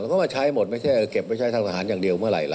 ก็มาใช้หมดไม่ใช่เก็บไว้ใช้ทางทหารอย่างเดียวเมื่อไหร่ล่ะ